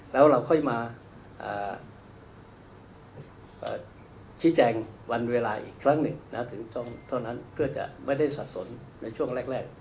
แล้วเราค่อยมาชี้แจงวันเวลาอีกครั้งหนึ่งถึงเท่านั้นเพื่อจะไม่ได้สับสนในช่วงแรก